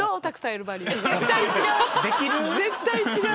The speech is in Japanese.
絶対違う。